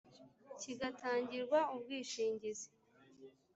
Kigatangirwa ubwishingizi.